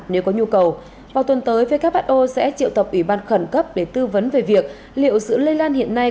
nếu có nhu cầu vào tuần tới who sẽ triệu tập ủy ban khẩn cấp để tư vấn về việc liệu sự lây lan hiện nay